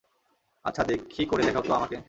আচ্ছা, দেখি করে দেখাও তো আমাকে।